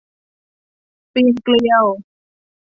ปีนเกลียว